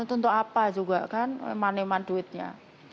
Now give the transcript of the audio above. itu untuk apa juga kan money man duitnya